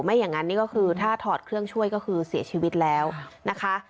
อย่างนั้นนี่ก็คือถ้าถอดเครื่องช่วยก็คือเสียชีวิตแล้วนะคะ